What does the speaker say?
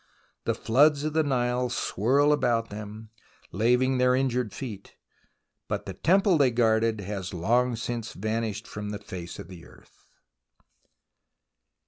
The floods of the Nile swirl about them, laving their injured feet, but the temple they guarded has long since vanished from the face of the earth.